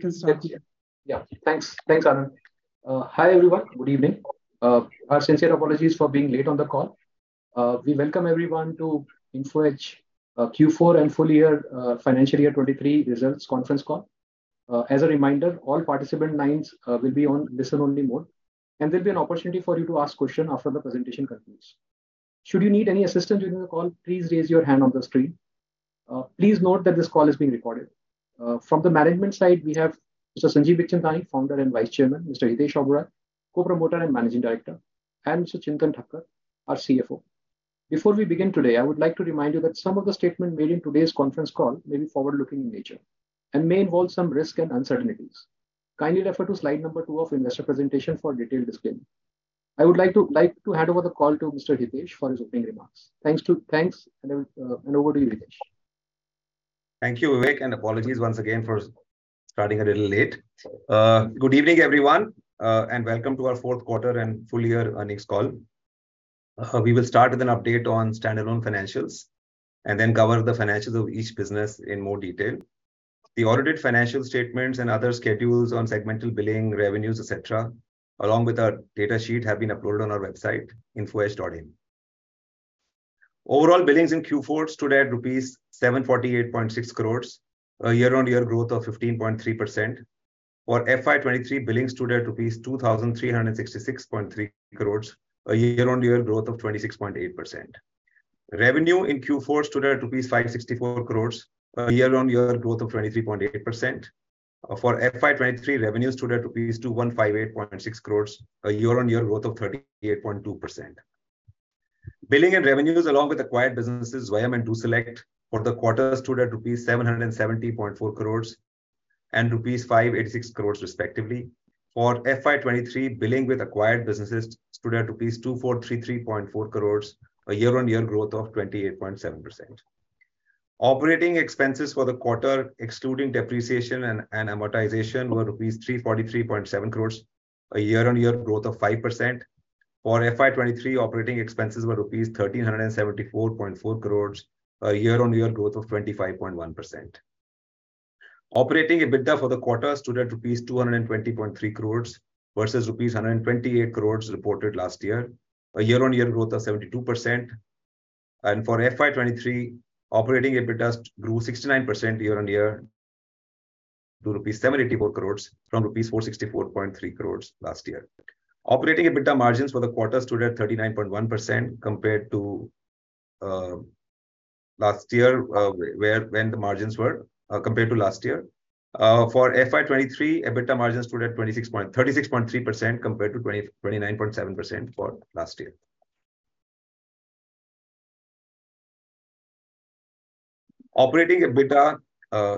Thanks. Thanks, Anand. Hi, everyone. Good evening. Our sincere apologies for being late on the call. We welcome everyone to Info Edge, Q4 and full year, financial year 2023 results conference call. As a reminder, all participant lines, will be on listen-only mode, there'll be an opportunity for you to ask questions after the presentation concludes. Should you need any assistance during the call, please raise your hand on the screen. Please note that this call is being recorded. From the management side, we have Mr. Sanjeev Bikhchandani, Founder and Vice Chairman; Mr. Hitesh Oberoi, Co-Promoter and Managing Director; and Mr. Chintan Thakkar, our CFO. Before we begin today, I would like to remind you that some of the statement made in today's conference call may be forward-looking in nature and may involve some risk and uncertainties. Kindly refer to slide two of investor presentation for detailed disclaimer. I would like to hand over the call to Mr. Hitesh for his opening remarks. Thanks, and over to you, Hitesh. Thank you, Vivek, and apologies once again for starting a little late. Good evening, everyone, welcome to our Q4 and full year earnings call. We will start with an update on standalone financials, then cover the financials of each business in more detail. The audited financial statements and other schedules on segmental billing, revenues, et cetera, along with our data sheet, have been uploaded on our website, infoedge.in. Overall billings in Q4 stood at rupees 748.6 crores, a year-on-year growth of 15.3%. For FY 2023, billings stood at rupees 2,366.3 crores, a year-on-year growth of 26.8%. Revenue in Q4 stood at rupees 564 crores, a year-on-year growth of 23.8%. For FY 2023, revenue stood at rupees 2,158.6 crores, a year-on-year growth of 38.2%. Billing and revenues, along with acquired businesses, Zwayam and DoSelect, for the quarter stood at rupees 770.4 crores and rupees 586 crores respectively. For FY 2023, billing with acquired businesses stood at rupees 2,433.4 crores, a year-on-year growth of 28.7%. Operating expenses for the quarter, excluding depreciation and amortization, were rupees 343.7 crores, a year-on-year growth of 5%. For FY 2023, operating expenses were rupees 1,374.4 crores, a year-on-year growth of 25.1%. Operating EBITDA for the quarter stood at rupees 220.3 crores versus rupees 128 crores reported last year, a year-on-year growth of 72%. For FY23, operating EBITDA grew 69% year-on-year to rupees 784 crores from rupees 464.3 crores last year. Operating EBITDA margins for the quarter stood at 39.1% compared to last year when the margins were compared to last year. For FY23, EBITDA margins stood at 36.3% compared to 29.7% for last year. Operating EBITDA,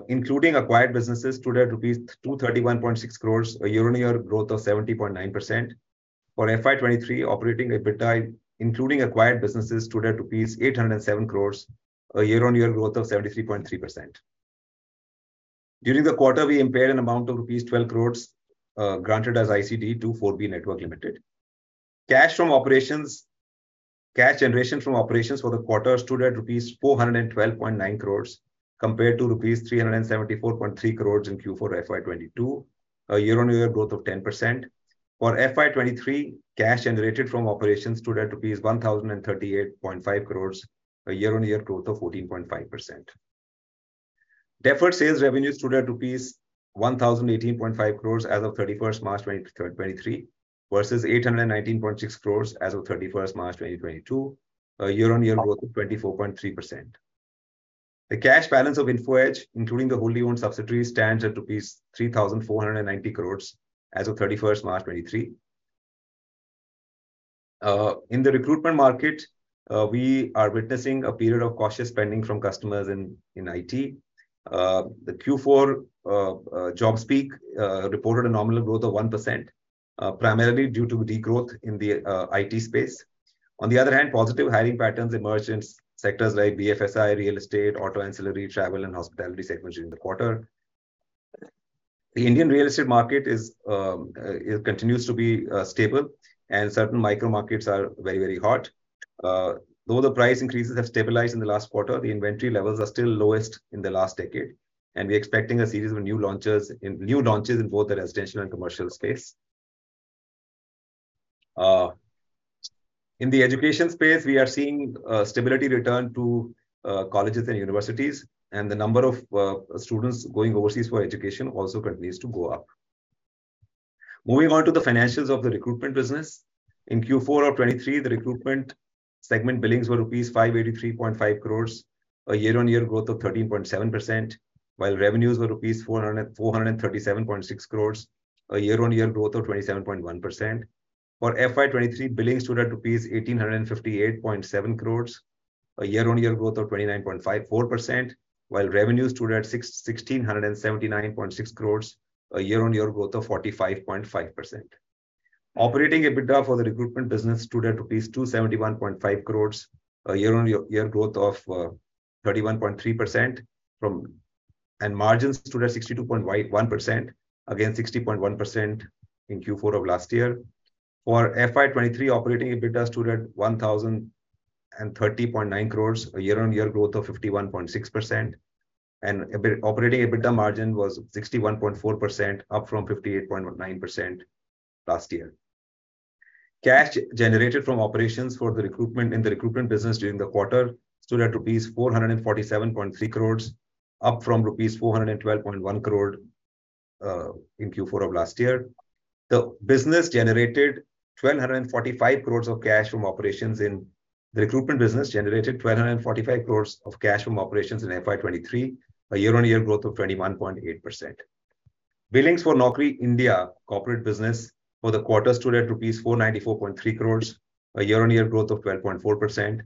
including acquired businesses, stood at rupees 231.6 crores, a year-on-year growth of 70.9%. For FY 23, operating EBITDA, including acquired businesses, stood at rupees 807 crores, a year-on-year growth of 73.3%. During the quarter, we impaired an amount of rupees 12 crores granted as ICD to 4B Network Limited. Cash generation from operations for the quarter stood at rupees 412.9 crores compared to rupees 374.3 crores in Q4 FY 22, a year-on-year growth of 10%. For FY 23, cash generated from operations stood at rupees 1,038.5 crores, a year-on-year growth of 14.5%. Deferred sales revenue stood at rupees 1,018.5 crores as of March 31, 2023, versus 819.6 crores as of March 31, 2022, a year-on-year growth of 24.3%. The cash balance of Info Edge, including the wholly owned subsidiaries, stands at rupees 3,490 crores as of March 31, 2023. In the recruitment market, we are witnessing a period of cautious spending from customers in IT. The Q4 JobSpeak reported a nominal growth of 1%, primarily due to the growth in the IT space. On the other hand, positive hiring patterns emerged in sectors like BFSI, real estate, auto ancillary, travel, and hospitality segments during the quarter. The Indian real estate market is, it continues to be stable, and certain micro markets are very hot. Though the price increases have stabilized in the last quarter, the inventory levels are still lowest in the last decade. We're expecting a series of new launches in both the residential and commercial space. In the education space, we are seeing stability return to colleges and universities. The number of students going overseas for education also continues to go up. Moving on to the financials of the recruitment business. In Q4 of 2023, the recruitment segment billings were rupees 583.5 crores, a year-on-year growth of 13.7%, while revenues were rupees 437.6 crores, a year-on-year growth of 27.1%. For FY23, billings stood at rupees 1,858.7 crores, a year-on-year growth of 29.54%, while revenues stood at 1,679.6 crores, a year-on-year growth of 45.5%. Operating EBITDA for the recruitment business stood at 271.5 crores rupees, a year-on-year growth of 31.3% from. Margins stood at 62.1%, against 60.1% in Q4 of last year. For FY23, operating EBITDA stood at 1,030.9 crores, a year-on-year growth of 51.6%, operating EBITDA margin was 61.4%, up from 58.9% last year. Cash generated from operations in the recruitment business during the quarter stood at rupees 447.3 crores, up from rupees 412.1 crore in Q4 of last year. The recruitment business generated 1,245 crores of cash from operations in FY23, a year-on-year growth of 21.8%. Billings for Naukri India corporate business for the quarter stood at rupees 494.3 crores, a year-on-year growth of 12.4%.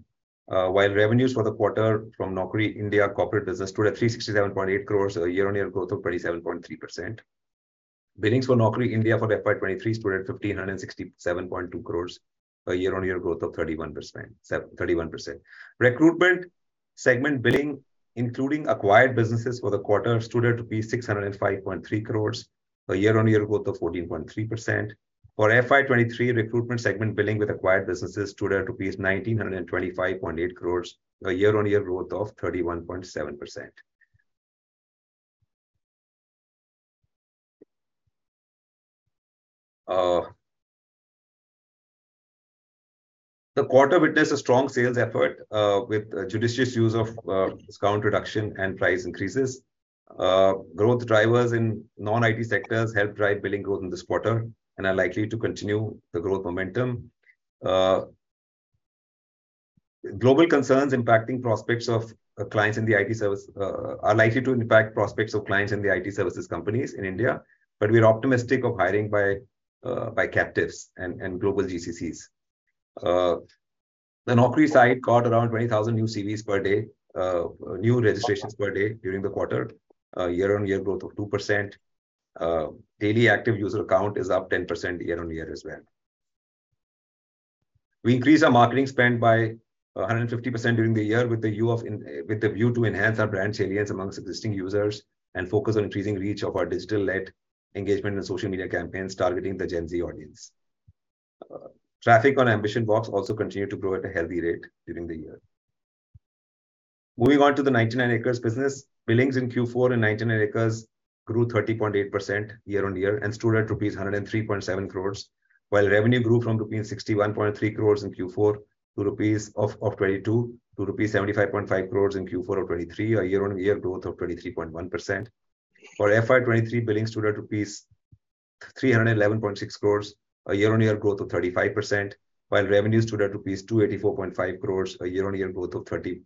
Revenues for the quarter from Naukri India corporate business stood at 367.8 crores, a year-on-year growth of 27.3%. Billings for Naukri India for the FY 2023 stood at 1,567.2 crores, a year-on-year growth of 31%. Recruitment segment billing, including acquired businesses for the quarter, stood at rupees 605.3 crores, a year-on-year growth of 14.3%. For FY 2023, recruitment segment billing with acquired businesses stood at rupees 1,925.8 crores, a year-on-year growth of 31.7%. The quarter witnessed a strong sales effort, with judicious use of discount reduction and price increases. Growth drivers in non-IT sectors helped drive billing growth in this quarter and are likely to continue the growth momentum. Global concerns impacting prospects of clients in the IT service are likely to impact prospects of clients in the IT services companies in India, but we are optimistic of hiring by captives and global GCCs. The Naukri site got around 20,000 new CVs per day, new registrations per day during the quarter, a year-on-year growth of 2%. Daily active user account is up 10% year-on-year as well. We increased our marketing spend by 150% during the year with the view to enhance our brand salience amongst existing users and focus on increasing reach of our digital-led engagement and social media campaigns targeting the GenZ audience. Traffic on AmbitionBox also continued to grow at a healthy rate during the year. Moving on to the 99acres business. Billings in Q4 in 99acres grew 30.8% year-on-year and stood at rupees 103.7 crores, while revenue grew from rupees 61.3 crores in Q4 of 2022 to rupees 75.5 crores in Q4 of 2023, a year-on-year growth of 23.1%. For FY 2023, billings stood at rupees 311.6 crores, a year-on-year growth of 35%, while revenues stood at rupees 284.5 crores, a year-on-year growth of 31%.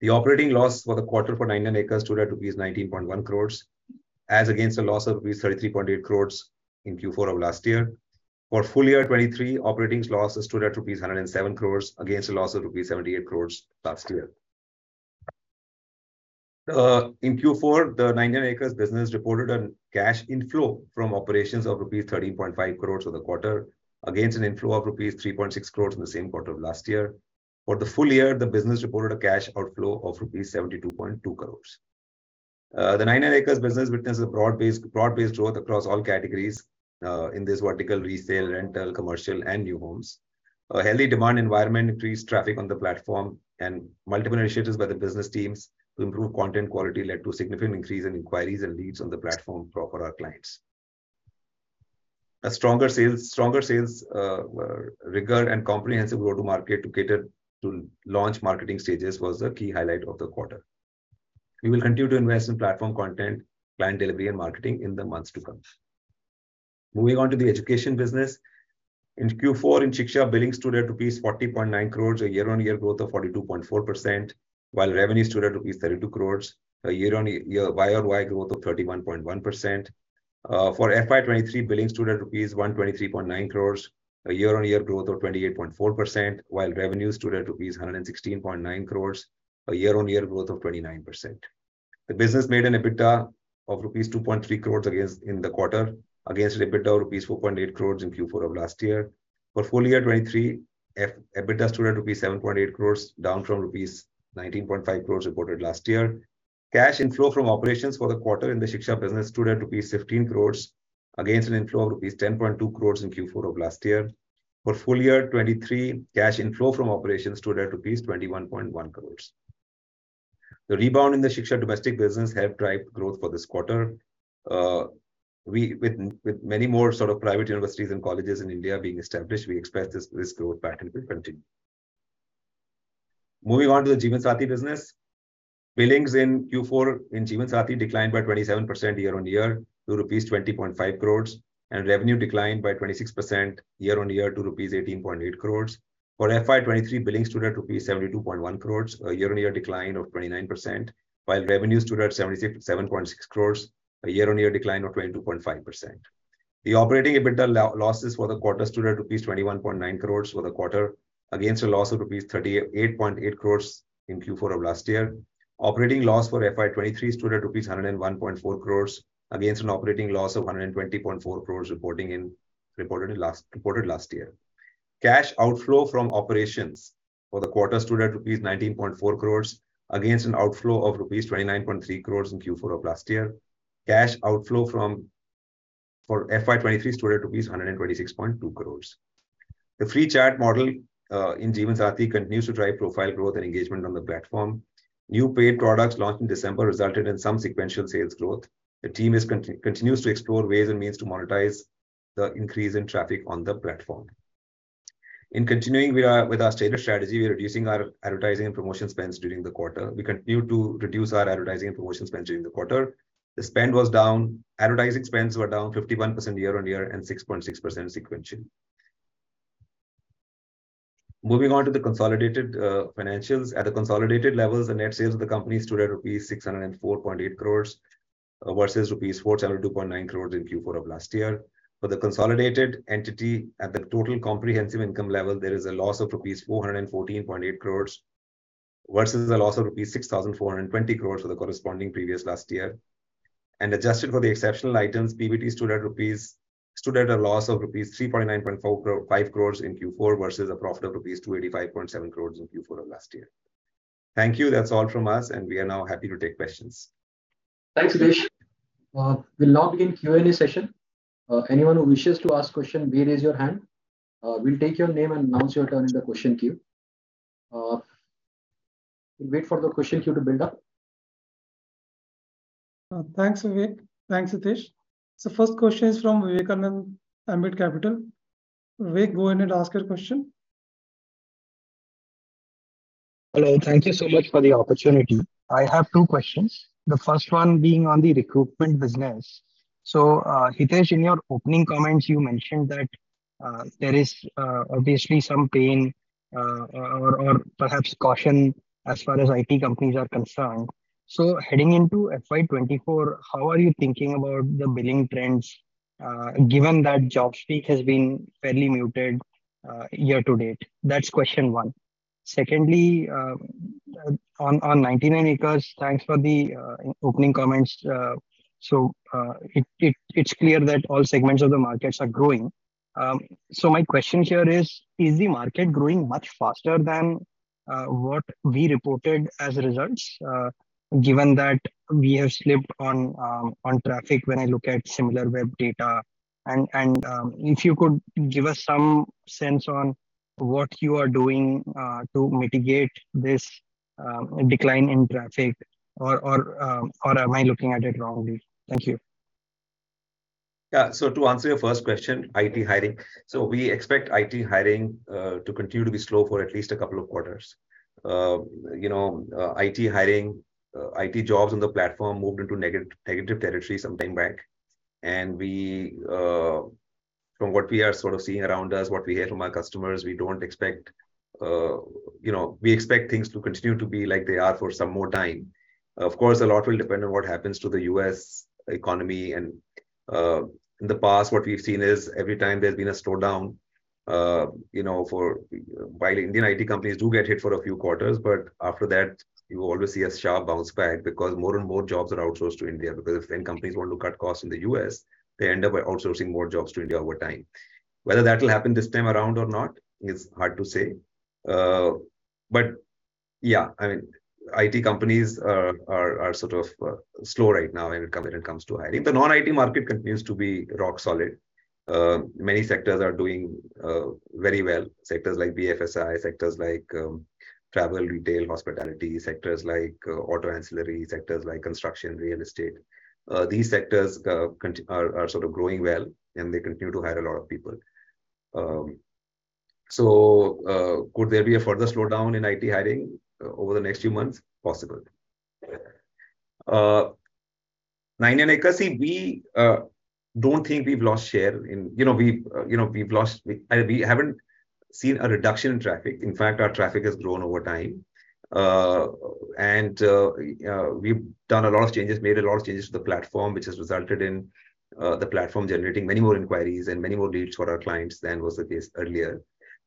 The operating loss for the quarter for 99acres stood at rupees 19.1 crores, as against a loss of rupees 33.8 crores in Q4 of last year. For full year 2023, operating loss stood at rupees 107 crores, against a loss of rupees 78 crores last year. In Q4, the 99acres business reported a cash inflow from operations of rupees 13.5 crores for the quarter, against an inflow of rupees 3.6 crores in the same quarter of last year. For the full year, the business reported a cash outflow of rupees 72.2 crores. The 99acres business witnessed a broad-based growth across all categories in this vertical: retail, rental, commercial, and new homes. A healthy demand environment increased traffic on the platform, multiple initiatives by the business teams to improve content quality led to significant increase in inquiries and leads on the platform for our clients. A stronger sales rigor and comprehensive go-to-market to cater to launch marketing stages was the key highlight of the quarter. We will continue to invest in platform content, client delivery, and marketing in the months to come. Moving on to the education business. In Q4, in Shiksha, billing stood at rupees 40.9 crores, a year-on-year growth of 42.4%, while revenue stood at rupees 32 crores, a YOY growth of 31.1%. For FY23, billing stood at rupees 123.9 crores, a year-on-year growth of 28.4%, while revenues stood at rupees 116.9 crores, a year-on-year growth of 29%. The business made an EBITDA of rupees 2.3 crores in the quarter, against EBITDA rupees 4.8 crores in Q4 of last year. For full year 2023, EBITDA stood at rupees 7.8 crores, down from rupees 19.5 crores reported last year. Cash inflow from operations for the quarter in the Shiksha business stood at rupees 15 crores, against an inflow of rupees 10.2 crores in Q4 of last year. For full year 2023, cash inflow from operations stood at rupees 21.1 crores. The rebound in the Shiksha domestic business helped drive growth for this quarter. With many more sort of private universities and colleges in India being established, we expect this growth pattern will continue. Moving on to the Jeevansathi business. Billings in Q4 in Jeevansathi declined by 27% year-on-year to rupees 20.5 crores, and revenue declined by 26% year-on-year to rupees 18.8 crores. For FY 23, billings stood at rupees 72.1 crores, a year-on-year decline of 29%, while revenues stood at 77.6 crores, a year-on-year decline of 22.5%. The operating EBITDA losses for the quarter stood at rupees 21.9 crores for the quarter, against a loss of rupees 38.8 crores in Q4 of last year. Operating loss for FY 23 stood at rupees 101.4 crores, against an operating loss of 120.4 crores reported last year. Cash outflow from operations for the quarter stood at rupees 19.4 crores, against an outflow of rupees 29.3 crores in Q4 of last year. Cash outflow for FY 23, stood at rupees 126.2 crores. The free chat model in Jeevansathi continues to drive profile growth and engagement on the platform. New paid products launched in December resulted in some sequential sales growth. The team continues to explore ways and means to monetize the increase in traffic on the platform. In continuing with our stated strategy, we are reducing our advertising and promotion spends during the quarter. We continue to reduce our advertising and promotion spends during the quarter. Advertising spends were down 51% year-on-year, and 6.6% sequentially. Moving on to the consolidated financials. At the consolidated levels, the net sales of the company stood at rupees 604.8 crores, versus rupees 402.9 crores in Q4 of last year. For the consolidated entity at the total comprehensive income level, there is a loss of rupees 414.8 crores, versus a loss of rupees 6,420 crores for the corresponding previous last year. Adjusted for the exceptional items, PBT stood at a loss of rupees 39.45 crores in Q4, versus a profit of rupees 285.7 crores in Q4 of last year. Thank you. That's all from us, we are now happy to take questions. Thanks, Hitesh. We'll now begin Q&A session. Anyone who wishes to ask question, we raise your hand. We'll take your name and announce your turn in the question queue. We'll wait for the question queue to build up. Thanks, Vivek. Thanks, Hitesh. First question is from Vivekanand, Ambit Capital. Vivek, go ahead and ask your question. Hello. Thank you so much for the opportunity. I have two questions, the first one being on the recruitment business. Hitesh, in your opening comments, you mentioned that there is obviously some pain or perhaps caution as far as IT companies are concerned. Heading into FY 2024, how are you thinking about the billing trends given that JobStreet has been fairly muted year-to-date? That's question one. Secondly, on 99acres, thanks for the opening comments. It's clear that all segments of the markets are growing. My question here is: Is the market growing much faster than what we reported as results, given that we have slipped on traffic when I look at Similarweb data? If you could give us some sense on what you are doing, to mitigate this decline in traffic, or am I looking at it wrongly? Thank you. Yeah. To answer your first question, IT hiring. We expect IT hiring to continue to be slow for at least a couple of quarters. you know, IT hiring, IT jobs on the platform moved into negative territory some time back. From what we are sort of seeing around us, what we hear from our customers, we don't expect. We expect things to continue to be like they are for some more time. Of course, a lot will depend on what happens to the U.S. economy. in the past, what we've seen is every time there's been a slowdown, you know, While Indian IT companies do get hit for a few quarters, after that, you will always see a sharp bounce back, because more and more jobs are outsourced to India. If then companies want to cut costs in the U.S., they end up by outsourcing more jobs to India over time. Whether that will happen this time around or not, is hard to say. But yeah, I mean, IT companies are sort of slow right now when it comes to hiring. The non-IT market continues to be rock solid. Many sectors are doing very well. Sectors like BFSI, sectors like travel, retail, hospitality. Sectors like auto ancillary, sectors like construction, real estate. These sectors are sort of growing well, and they continue to hire a lot of people. Could there be a further slowdown in IT hiring over the next few months? Possible. 99acres, see, we don't think we've lost share in... You know, we, you know, we haven't seen a reduction in traffic. In fact, our traffic has grown over time. We've done a lot of changes, made a lot of changes to the platform, which has resulted in the platform generating many more inquiries and many more leads for our clients than was the case earlier.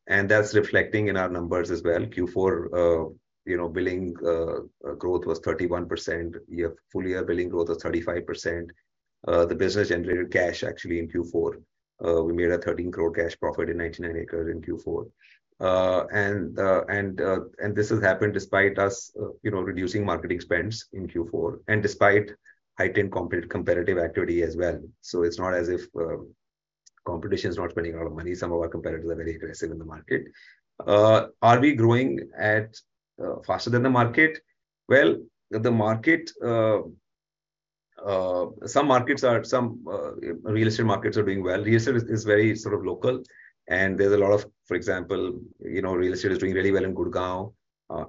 That's reflecting in our numbers as well. Q4, you know, billing growth was 31%. Year, full year billing growth was 35%. The business generated cash actually in Q4. We made a 13 crore cash profit in 99acres in Q4. This has happened despite us, you know, reducing marketing spends in Q4, and despite heightened competitive activity as well. It's not as if competition is not spending a lot of money. Some of our competitors are very aggressive in the market. Are we growing at faster than the market? The market, some markets are, some real estate markets are doing well. Real estate is very sort of local, and there's a lot of. For example, you know, real estate is doing really well in Gurgaon,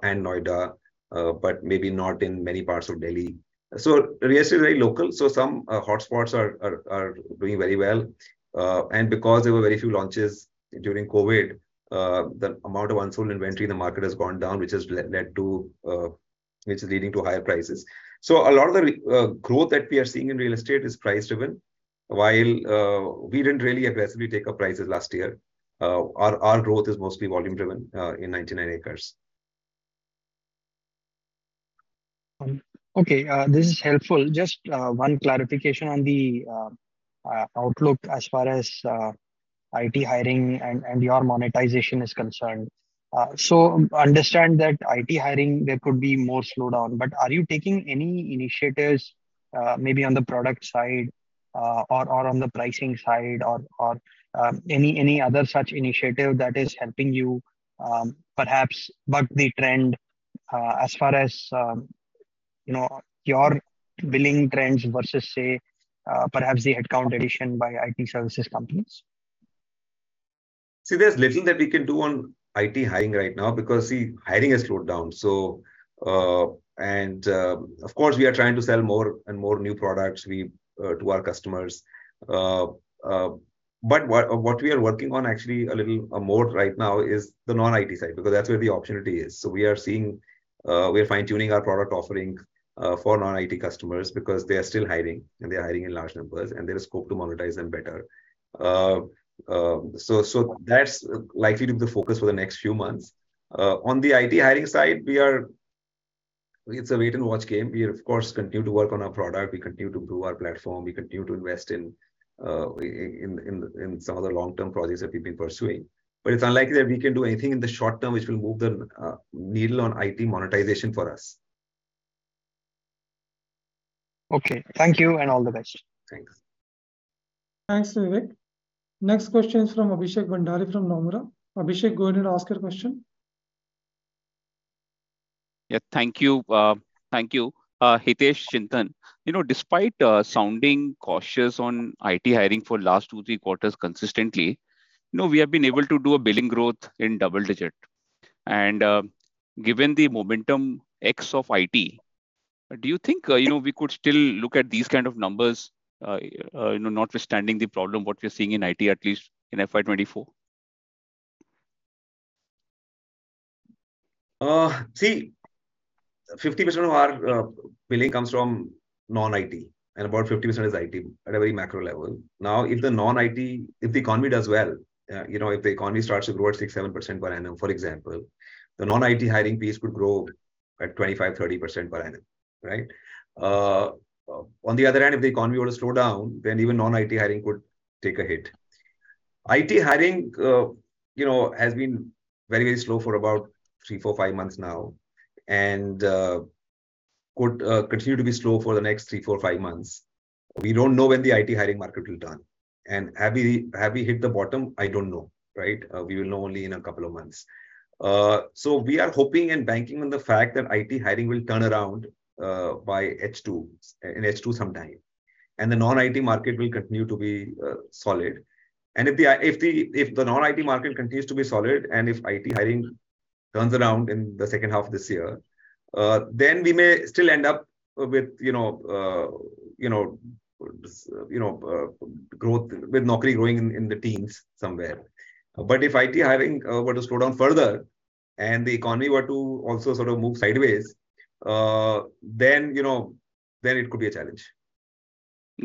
and Noida, but maybe not in many parts of Delhi. Real estate is very local, some hotspots are doing very well. Because there were very few launches during COVID, the amount of unsold inventory in the market has gone down, which has led to, which is leading to higher prices. A lot of the growth that we are seeing in real estate is price-driven. While we didn't really aggressively take up prices last year, our growth is mostly volume-driven in 99acres. Okay, this is helpful. Just one clarification on the outlook as far as IT hiring and your monetization is concerned? Understand that IT hiring, there could be more slowdown, but are you taking any initiatives, maybe on the product side, or on the pricing side or any other such initiative that is helping you perhaps buck the trend as far as, you know, your billing trends versus, say, perhaps the headcount addition by IT services companies? See, there's little that we can do on IT hiring right now because, see, hiring has slowed down. Of course, we are trying to sell more and more new products we to our customers. What we are working on actually a little more right now is the non-IT side, because that's where the opportunity is. We are seeing. We are fine-tuning our product offerings for non-IT customers because they are still hiring, and they are hiring in large numbers, and there is scope to monetize them better. That's likely to be the focus for the next few months. On the IT hiring side, it's a wait-and-watch game. We, of course, continue to work on our product. We continue to grow our platform. We continue to invest in some of the long-term projects that we've been pursuing. It's unlikely that we can do anything in the short term which will move the needle on IT monetization for us. Okay. Thank you, and all the best. Thanks. Thanks, Vivek. Next question is from Abhishek Bhandari, from Nomura. Abhishek, go ahead and ask your question. Yeah. Thank you. Thank you, Hitesh, Chintan. You know, despite sounding cautious on IT hiring for last two, three quarters consistently, you know, we have been able to do a billing growth in double digit. Given the momentum ex of IT, do you think, you know, we could still look at these kind of numbers, you know, notwithstanding the problem what we're seeing in IT, at least in FY 2024? Uh, see, 50% of our, uh, billing comes from non-IT, and about 50% is IT, at a very macro level. Now, if the non-IT. If the economy does well, uh, you know, if the economy starts to grow at 6%, 7% per annum, for example, the non-IT hiring piece could grow at 25%, 30% per annum, right? Uh, on the other hand, if the economy were to slow down, then even non-IT hiring could take a hit. IT hiring, uh, you know, has been very, very slow for about three, four, five months now and, uh, could, uh, continue to be slow for the next three, four, five months. We don't know when the IT hiring market will turn. And have we, have we hit the bottom? I don't know, right? Uh, we will know only in a couple of months. We are hoping and banking on the fact that IT hiring will turn around by H2, in H2 sometime, and the non-IT market will continue to be solid. If the non-IT market continues to be solid, and if IT hiring turns around in the second half of this year, then we may still end up with, you know, growth with Naukri growing in the teens somewhere. If IT hiring were to slow down further, and the economy were to also sort of move sideways, then, you know, then it could be a challenge.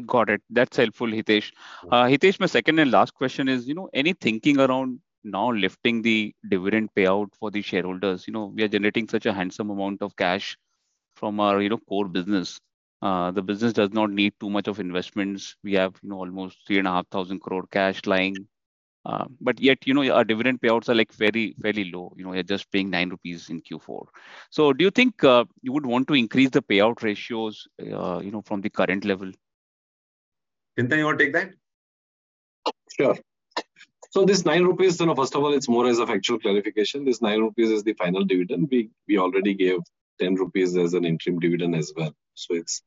Got it. That's helpful, Hitesh. Hitesh, my second and last question is, you know, any thinking around now lifting the dividend payout for the shareholders? You know, we are generating such a handsome amount of cash from our, you know, core business. The business does not need too much of investments. We have, you know, almost 3,500 crore cash lying. But yet, you know, our dividend payouts are, like, very, very low. You know, we are just paying 9 rupees in Q4. Do you think, you would want to increase the payout ratios, you know, from the current level? Chintan, you want to take that? Sure. This 9 rupees, you know, first of all, it's more as a factual clarification. This 9 rupees is the final dividend. We already gave 10 rupees as an interim dividend as well, so it's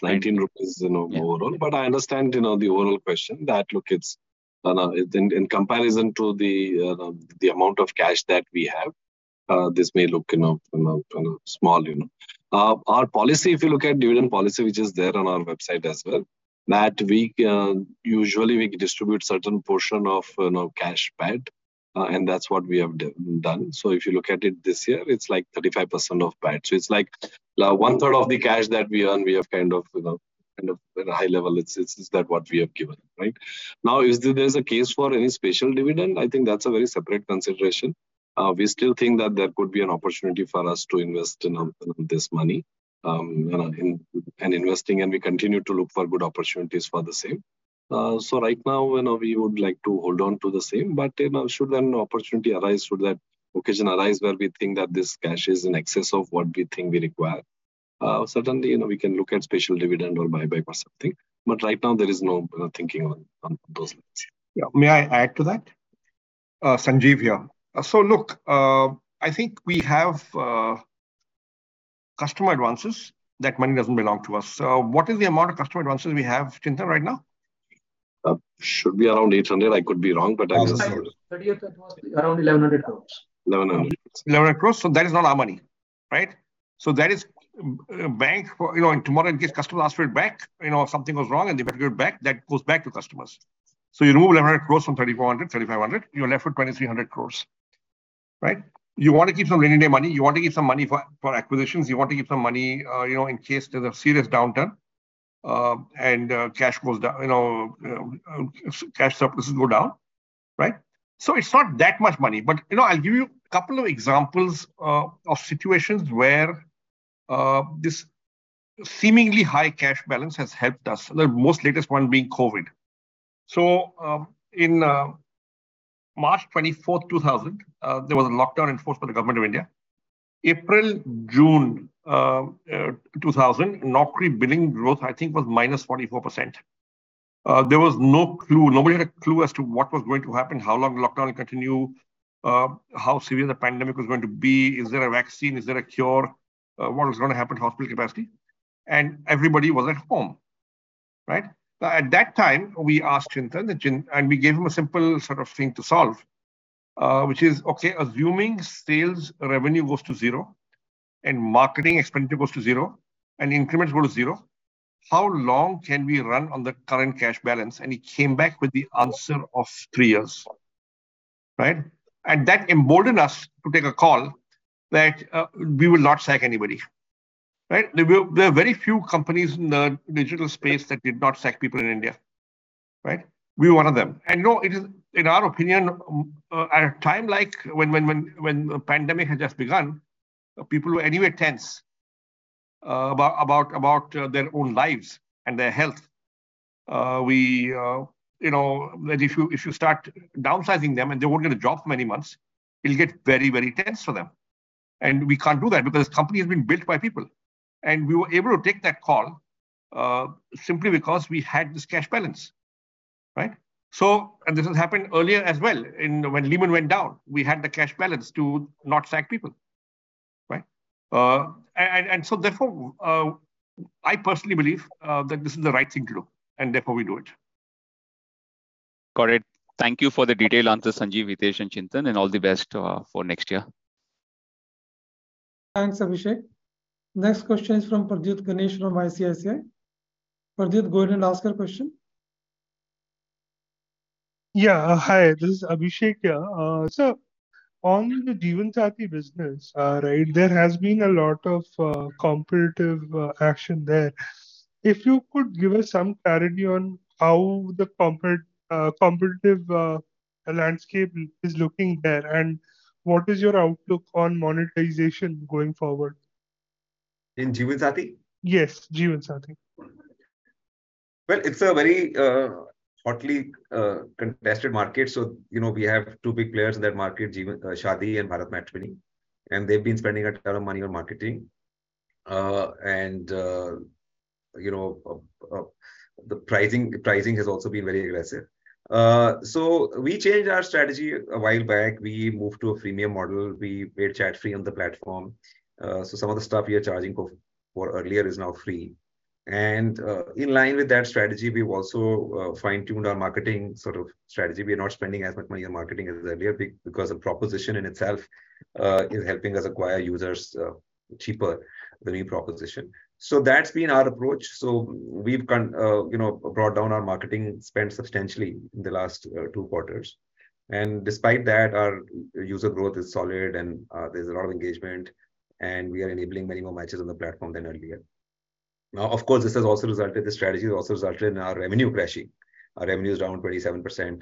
19 rupees. Yeah You know, overall. I understand, you know, the overall question that, look, it's in comparison to the amount of cash that we have, this may look, you know, small, you know. Our policy, if you look at dividend policy, which is there on our website as well, that we usually we distribute certain portion of, you know, cash PAT, and that's what we have done. So if you look at it this year, it's, like, 35% of PAT. So it's like Mm-hmm one third of the cash that we earn, we have kind of, you know, at a high level, it's that what we have given, right? Now, there's a case for any special dividend? I think that's a very separate consideration. We still think that there could be an opportunity for us to invest, you know, this money, you know, in investing, and we continue to look for good opportunities for the same. Right now, you know, we would like to hold on to the same, but, you know, should an opportunity arise, should that occasion arise where we think that this cash is in excess of what we think we require, certainly, you know, we can look at special dividend or buyback or something. Right now there is no thinking on those lines. Yeah. May I add to that? Sanjeev here. Look, I think we have customer advances. That money doesn't belong to us. What is the amount of customer advances we have, Chintan, right now? should be around 1,800. I could be wrong, but I 30th, it was around 1,100 crores. 1,100. That is not our money, right? That is, bank for. You know, and tomorrow, in case customer asks for it back, you know, something goes wrong, and they want it back, that goes back to customers. You remove 1,100 crores from 3,400 crores, 3,500 crores, you're left with 2,300 crores, right? You want to keep some rainy day money. You want to keep some money for acquisitions. You want to keep some money, you know, in case there's a serious downturn, and cash goes down, you know, surpluses go down, right? It's not that much money. You know, I'll give you a couple of examples of situations where. A seemingly high cash balance has helped us, the most latest one being COVID. In March 24, 2000, there was a lockdown enforced by the Government of India. April, June 2000, Naukri billing growth, I think, was -44%. Nobody had a clue as to what was going to happen, how long the lockdown will continue, how severe the pandemic was going to be. Is there a vaccine? Is there a cure? What was going to happen to hospital capacity? Everybody was at home, right? At that time, we asked Chintan, that and we gave him a simple sort of thing to solve, which is: Okay, assuming sales revenue goes to zero, and marketing expenditure goes to zero, and increments go to zero, how long can we run on the current cash balance? He came back with the answer of three years, right? That emboldened us to take a call that we will not sack anybody, right? There were very few companies in the digital space that did not sack people in India, right? We were one of them. You know, it is, in our opinion, at a time like when the pandemic had just begun, people were anyway tense about their own lives and their health. We... You know, that if you start downsizing them, and they won't get a job for many months, it'll get very, very tense for them, and we can't do that because company has been built by people. We were able to take that call simply because we had this cash balance, right? This has happened earlier as well. When Lehman went down, we had the cash balance to not sack people, right? Therefore, I personally believe that this is the right thing to do, and therefore we do it. Got it. Thank you for the detailed answers, Sanjeev, Hitesh, and Chintan, and all the best for next year. Thanks, Abhishek. Next question is from Pradyut Ganeshan of ICICI. Pradyut, go ahead and ask your question. Hi, this is Abhishek here. On the Jeevansathi business, right, there has been a lot of competitive action there. If you could give us some clarity on how the competitive landscape is looking there, what is your outlook on monetization going forward? In Jeevansathi? Yes, Jeevansathi. Well, it's a very hotly contested market, so, you know, we have two big players in that market, Jeevansathi and BharatMatrimony, and they've been spending a ton of money on marketing. You know, the pricing has also been very aggressive. We changed our strategy a while back. We moved to a freemium model. We made chat free on the platform. Some of the stuff we were charging for earlier is now free. In line with that strategy, we've also fine-tuned our marketing sort of strategy. We are not spending as much money on marketing as earlier because the proposition in itself is helping us acquire users cheaper than we proposition. That's been our approach. We've, you know, brought down our marketing spend substantially in the last two quarters. Despite that, our user growth is solid, and there's a lot of engagement, and we are enabling many more matches on the platform than earlier. Now, of course, this has also resulted, this strategy has also resulted in our revenue crashing. Our revenue is down 27%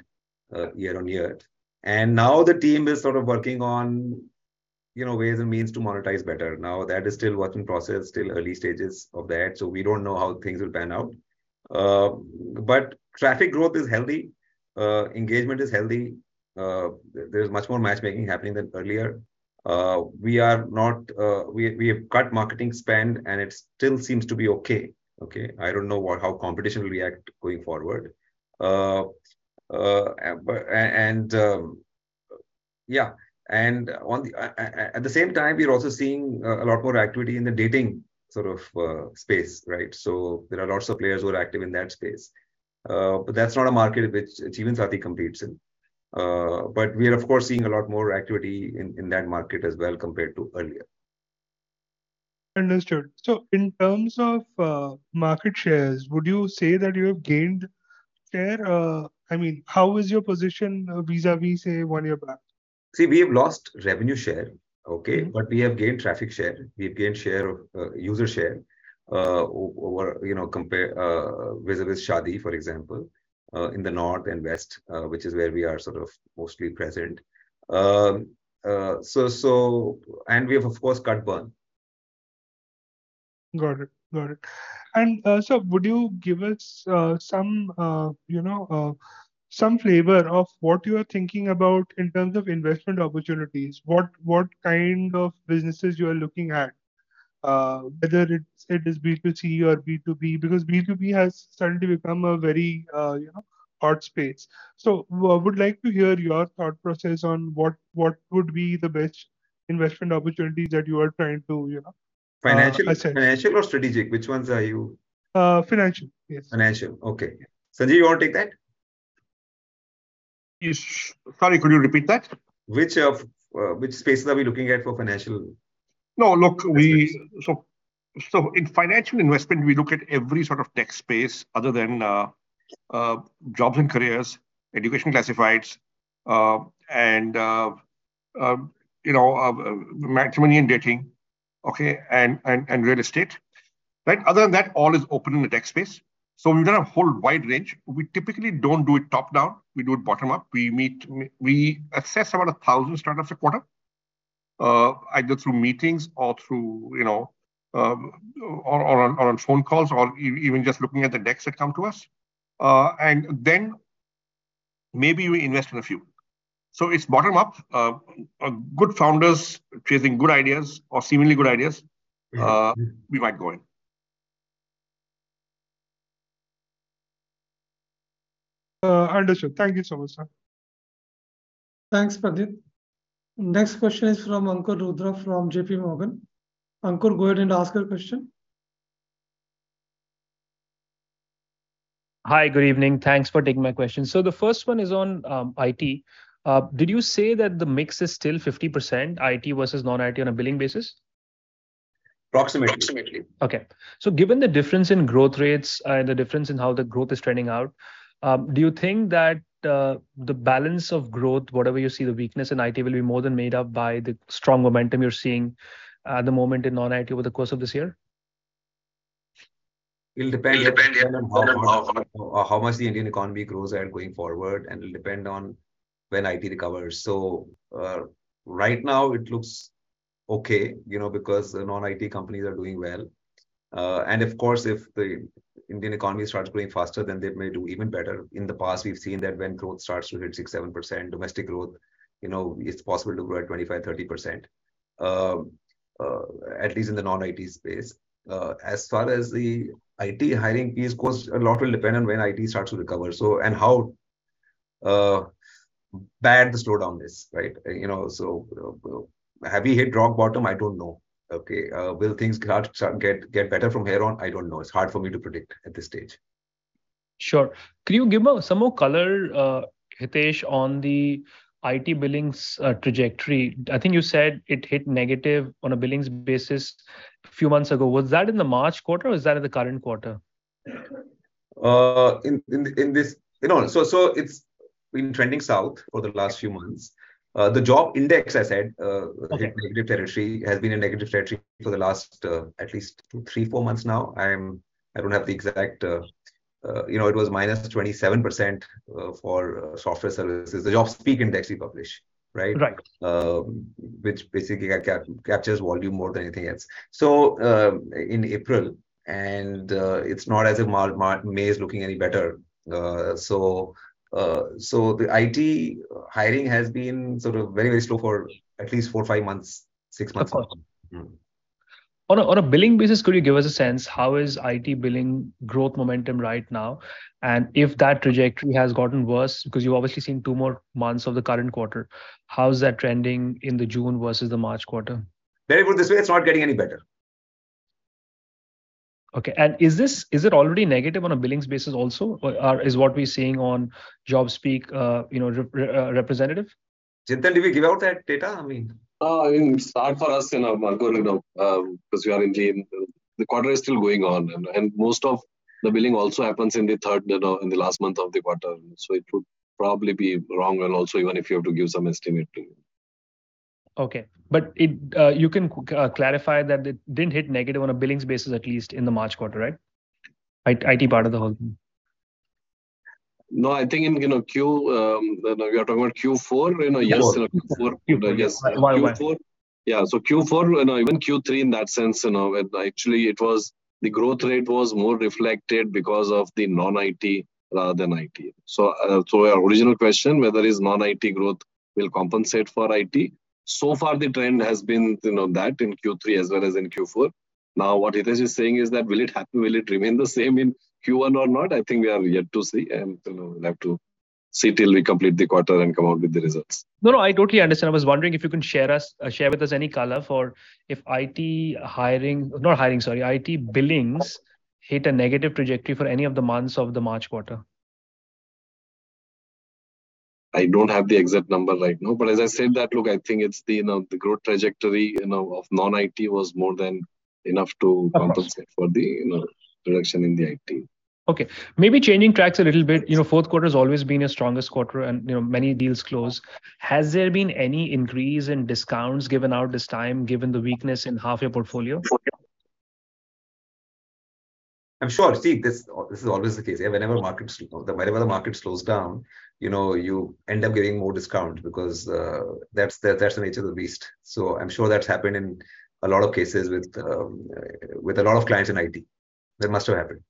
year-on-year. Now the team is sort of working on, you know, ways and means to monetize better. Now, that is still work in process, still early stages of that, so we don't know how things will pan out. Traffic growth is healthy, engagement is healthy, there's much more matchmaking happening than earlier. We have cut marketing spend, and it still seems to be okay. Okay, I don't know how competition will react going forward. At the same time, we're also seeing a lot more activity in the dating sort of space, right? There are lots of players who are active in that space, but that's not a market in which Jeevansathi competes in. We are, of course, seeing a lot more activity in that market as well, compared to earlier. Understood. In terms of market shares, would you say that you have gained share? I mean, how is your position vis-a-vis, say, one year back? We have lost revenue share, okay. We have gained traffic share. We have gained share of user share over, you know, compare vis-a-vis Shaadi.com, for example, in the North and West, which is where we are sort of mostly present. So, we have, of course, cut burn. Got it. Got it. Would you give us some, you know, some flavor of what you are thinking about in terms of investment opportunities? What kind of businesses you are looking at, whether it is B2C or B2B? Because B2B has suddenly become a very, you know, hard space. Would like to hear your thought process on what would be the best investment opportunities that you are trying to, you know, assess. Financial? Financial or strategic, which ones are you? Financial. Yes. Financial. Okay. Sanjeev, you want to take that? Yes. Sorry, could you repeat that? Which of which spaces are we looking at for financial? No, look. Yes. In financial investment, we look at every sort of tech space other than jobs and careers, education classifieds, and, you know, matrimony and dating, okay, and real estate, right? Other than that, all is open in the tech space, we've got a whole wide range. We typically don't do it top-down, we do it bottom-up. We assess about 1,000 startups a quarter either through meetings or through, you know, or on phone calls, or even just looking at the decks that come to us. Maybe we invest in a few. It's bottom-up, good founders chasing good ideas or seemingly good ideas. Mm. We might go in. Understood. Thank you so much, sir. Thanks, Abhishek. Next question is from Ankur Rudra from JPMorgan. Ankur, go ahead and ask your question. Hi, good evening. Thanks for taking my question. The first one is on IT. Did you say that the mix is still 50% IT versus non-IT on a billing basis? Approximately. Approximately. Okay. Given the difference in growth rates and the difference in how the growth is trending out, do you think that, the balance of growth, whatever you see the weakness in IT, will be more than made up by the strong momentum you're seeing at the moment in non-IT over the course of this year? It'll depend. It'll depend on how How much the Indian economy grows at going forward, and it'll depend on when IT recovers. Right now it looks okay, you know, because the non-IT companies are doing well. Of course, if the Indian economy starts growing faster, then they may do even better. In the past, we've seen that when growth starts to hit 6%, 7% domestic growth, you know, it's possible to grow at 25%, 30%, at least in the non-IT space. As far as the IT hiring piece goes, a lot will depend on when IT starts to recover, and how bad the slowdown is, right? You know, have we hit rock bottom? I don't know. Okay, will things get better from here on? I don't know. It's hard for me to predict at this stage. Sure. Can you give me some more color, Hitesh, on the IT billings trajectory? I think you said it hit negative on a billings basis few months ago. Was that in the March quarter, or was that in the current quarter? You know, it's been trending south for the last few months. The job index, I said Okay hit negative territory, has been in negative territory for the last, at least two, three, four months now. I don't have the exact. You know, it was -27% for software services. The Naukri JobSpeak index we publish, right? Right. Which basically captures volume more than anything else. In April, it's not as if March, May is looking any better. The IT hiring has been sort of very, very slow for at least four, five months, six months now. On a billing basis, could you give us a sense, how is IT billing growth momentum right now? If that trajectory has gotten worse, because you've obviously seen two more months of the current quarter, how is that trending in the June versus the March quarter? Let me put it this way: It's not getting any better. Okay. Is this, is it already negative on a billings basis also? Is what we're seeing on Naukri JobSpeak, you know, representative? Chintan, do we give out that data? I mean. I mean, it's hard for us, you know, Ankur, you know, because the quarter is still going on, and most of the billing also happens in the third, you know, in the last month of the quarter. It would probably be wrong and also even if you have to give some estimate too. Okay. it, you can clarify that it didn't hit negative on a billings basis, at least in the March quarter, right? IT part of the whole thing. No, I think in, you know, we are talking about Q4, you know. Q4 Yes, you know, Q4. Q4. Yes, Q4. Q4, you know, even Q3 in that sense, you know, it actually the growth rate was more reflected because of the non-IT rather than IT. Our original question whether is non-IT growth will compensate for IT, so far the trend has been, you know, that in Q3 as well as in Q4. What Hitesh is saying is that will it happen, will it remain the same in Q1 or not? I think we are yet to see, and, you know, we'll have to see till we complete the quarter and come out with the results. No, no, I totally understand. I was wondering if you can share with us any color for if IT billings hit a negative trajectory for any of the months of the March quarter? I don't have the exact number right now, but as I said that, look, I think it's the, you know, the growth trajectory, you know, of non-IT was more than enough to Of course. compensate for the, you know, reduction in the IT. Okay, maybe changing tracks a little bit. You know, Q4's always been your strongest quarter, and, you know, many deals close. Has there been any increase in discounts given out this time, given the weakness in half your portfolio? Sure, yeah. I'm sure. See, this is always the case. Whenever markets slow, whenever the market slows down, you know, you end up getting more discount because that's the, that's the nature of the beast. I'm sure that's happened in a lot of cases with a lot of clients in IT. That must have happened.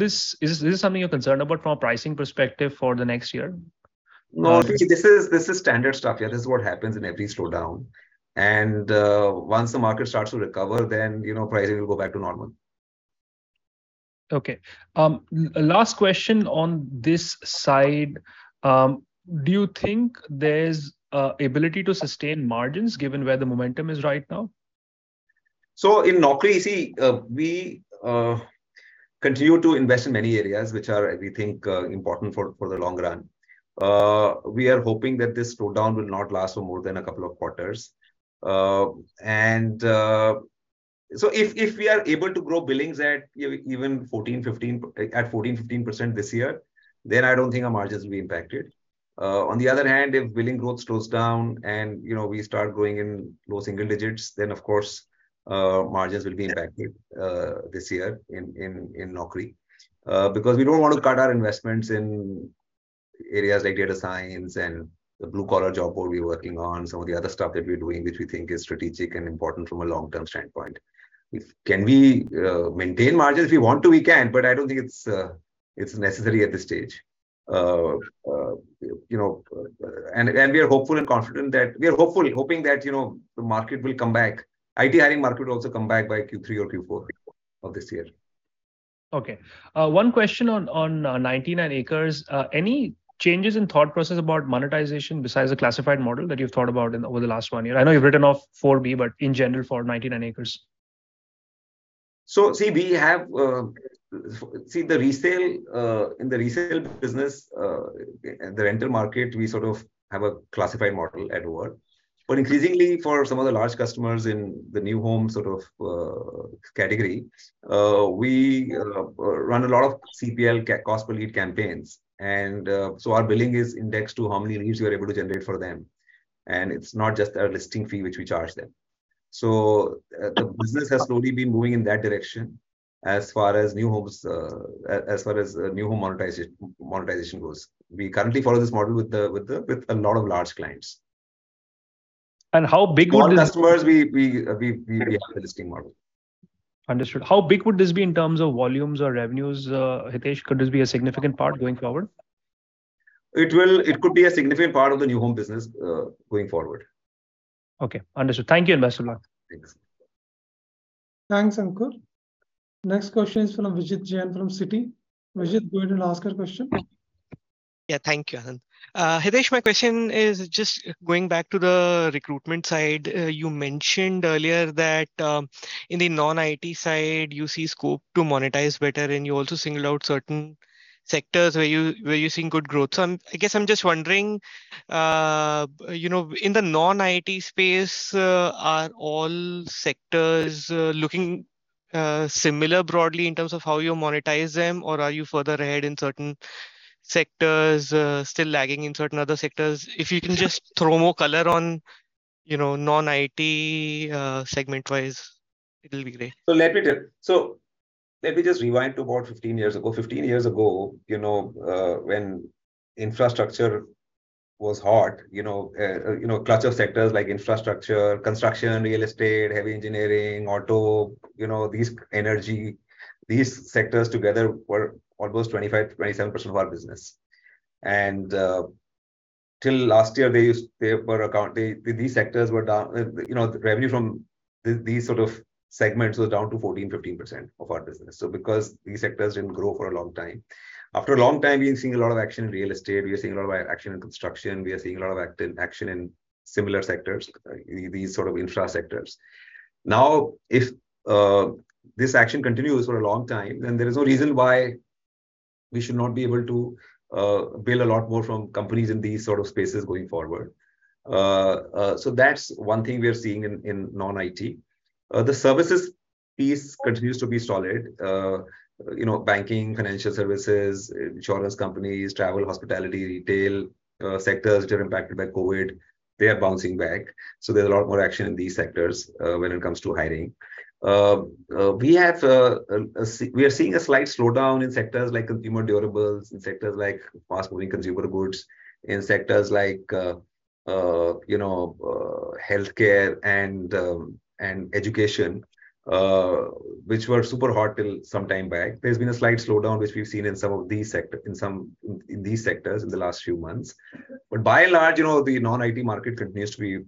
Is this something you're concerned about from a pricing perspective for the next year? No, see, this is standard stuff. Yeah, this is what happens in every slowdown. Once the market starts to recover, then, you know, pricing will go back to normal. Last question on this side. Do you think there's ability to sustain margins, given where the momentum is right now? In Naukri, we continue to invest in many areas, which are, we think, important for the long run. We are hoping that this slowdown will not last for more than a couple of quarters. If we are able to grow billings at 14, 15, at 14%-15% this year, then I don't think our margins will be impacted. On the other hand, if billing growth slows down and, you know, we start growing in low single digits, then of course, margins will be impacted this year in Naukri. Because we don't want to cut our investments in areas like data science and the blue-collar job where we're working on some of the other stuff that we're doing, which we think is strategic and important from a long-term standpoint. Can we maintain margins? If we want to, we can, but I don't think it's necessary at this stage. you know, We are hopeful and confident that we are hopeful, hoping that, you know, the market will come back. IT hiring market will also come back by Q3 or Q4 of this year. Okay. One question on 99acres. Any changes in thought process about monetization besides the classified model that you've thought about over the last one year? I know you've written off for B, but in general, for 99acres. See, we have. See, the resale in the resale business, the rental market, we sort of have a classified model at work. Increasingly, for some of the large customers in the new home, sort of, category, we run a lot of CPL, cost per lead campaigns. Our billing is indexed to how many leads we are able to generate for them, and it's not just a listing fee which we charge them. The business Mm-hmm. has slowly been moving in that direction as far as new homes, as far as, new home monetization goes. We currently follow this model with a lot of large clients. How big would. Small customers, we have a listing model. Understood. How big would this be in terms of volumes or revenues, Hitesh? Could this be a significant part going forward? It could be a significant part of the new home business, going forward. Okay. Understood. Thank you, and best of luck. Thanks. Thanks, Ankur. Next question is from Vijit Jain from Citi. Vijit, go ahead and ask your question. Yeah. Thank you, Anand. Hitesh, my question is just going back to the recruitment side. You mentioned earlier that in the non-IT side, you see scope to monetize better, and you also singled out certain sectors where you're seeing good growth. I guess I'm just wondering, you know, in the non-IT space, are all sectors looking similar broadly in terms of how you monetize them, or are you further ahead in certain sectors, still lagging in certain other sectors? If you can just throw more color on, you know, non-IT, segment-wise, it'll be great. Let me just rewind to about 15 years ago. 15 years ago, when infrastructure was hot, clutch of sectors like infrastructure, construction, real estate, heavy engineering, auto, these energy, these sectors together were almost 25% to 27% of our business. Till last year, these sectors were down. The revenue from these sort of segments was down to 14% to 15% of our business. Because these sectors didn't grow for a long time. After a long time, we are seeing a lot of action in real estate, we are seeing a lot of action in construction, we are seeing a lot of action in similar sectors, these sort of infra sectors. If this action continues for a long time, there is no reason why we should not be able to build a lot more from companies in these sort of spaces going forward. That's one thing we are seeing in non-IT. The services piece continues to be solid. You know, banking, financial services, insurance companies, travel, hospitality, retail, sectors which are impacted by COVID, they are bouncing back. There's a lot more action in these sectors when it comes to hiring. We are seeing a slight slowdown in sectors like consumer durables, in sectors like fast-moving consumer goods, in sectors like, you know, healthcare and education, which were super hot till some time back. There's been a slight slowdown, which we've seen in some of these sector, in these sectors in the last few months. By and large, you know, the non-IT market continues to be